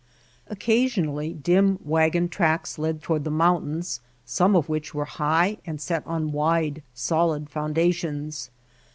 Occasionally dim wagon tracks led toward the mountains, some of which were high and set on wide, solid foundations.